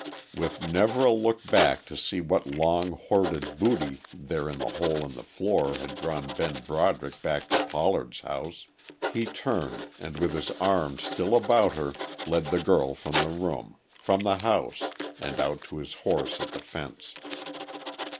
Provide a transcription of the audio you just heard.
With never a look back to see what long hoarded booty there in the hole in the floor had drawn Ben Broderick back to Pollard's house, he turned and with his arm still about her, led the girl from the room, from the house and out to his horse at the fence.